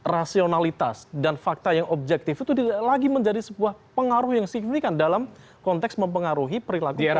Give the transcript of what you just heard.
rasionalitas dan fakta yang objektif itu tidak lagi menjadi sebuah pengaruh yang signifikan dalam konteks mempengaruhi perilaku politik